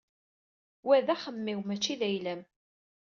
Wa d axemmem-iw mačči d ayla-m.